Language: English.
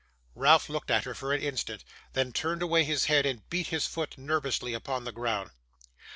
Ralph looked at her for an instant; then turned away his head, and beat his foot nervously upon the ground.